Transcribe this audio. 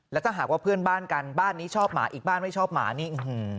แล้วถ้าหากว่าเพื่อนบ้านกันบ้านนี้ชอบหมาอีกบ้านไม่ชอบหมานี่